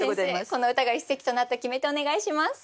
この歌が一席となった決め手お願いします。